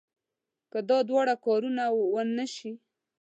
که دا دواړه کارونه ونه شي.